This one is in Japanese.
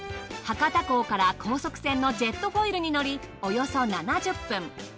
博多港から高速船のジェットフォイルに乗りおよそ７０分。